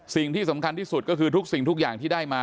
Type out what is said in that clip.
สิ่งที่สำคัญที่สุดก็คือทุกสิ่งทุกอย่างที่ได้มา